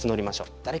誰か！